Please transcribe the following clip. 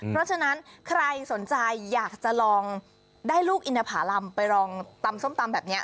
เพราะฉะนั้นใครสนใจอยากจะลองได้ลูกอินทภารำไปลองตำส้มตำแบบนี้